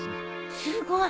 すごい。